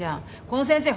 この先生